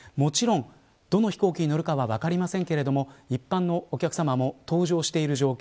どの飛行機に乗るか分かりませんが一般のお客様も搭乗している状況。